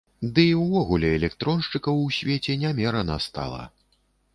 Ды і ўвогуле, электроншчыкаў у свеце нямерана стала.